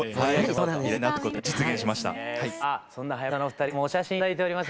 さあそんなはやぶさのお二人からもお写真頂いております。